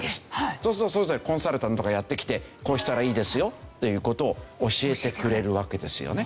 そうするとそれぞれコンサルタントがやって来てこうしたらいいですよっていう事を教えてくれるわけですよね。